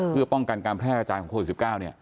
เพื่อป้องกันการแพทย์กระจายของโคตร๑๙เนี่ย